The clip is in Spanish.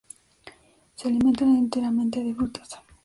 Se alimentan enteramente de frutas.